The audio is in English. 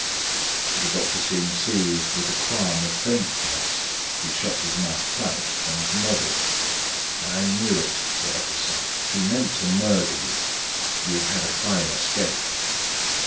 The doctor seemed seized with a qualm of faintness; he shut his mouth tight and nodded. "I knew it," said Utterson. "He meant to murder you. You had a fine escape."